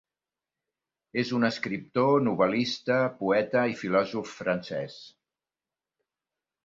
És un escriptor, novel·lista, poeta i filòsof francès.